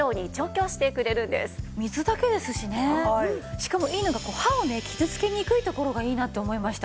しかもいいのが歯をね傷つけにくいところがいいなって思いました。